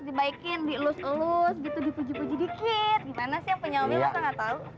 dibaikin dielus elus gitu dipuji puji dikit gimana sih penyamil atau nggak